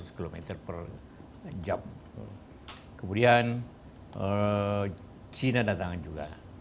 dan juga perjalanan cina datang juga